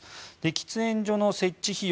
喫煙所の設置費用